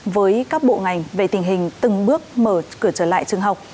với các bộ ngành về tình hình từng bước mở cửa trở lại trường học